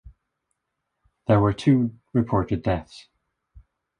There were two reported deaths.